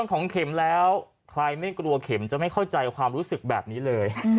ของเข็มแล้วใครไม่กลัวเข็มจะไม่เข้าใจความรู้สึกแบบนี้เลย